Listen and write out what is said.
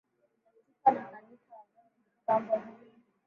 Latifa na Kanita wamejipamba vizuri.